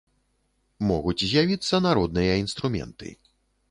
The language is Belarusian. Могуць з'явіцца народныя інструменты.